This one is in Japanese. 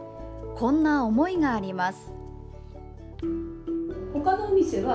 こんな思いがあります。